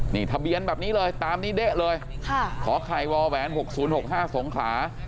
นี่ทะเบียนแบบนี้เลยตามนี้ได้เลยขอไขว้วแหวนหกศูนย์หกห้าสองขา